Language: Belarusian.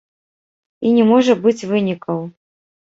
І не можа быць вынікаў.